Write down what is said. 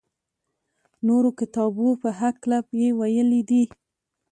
نورو کتابو په هکله یې ویلي دي.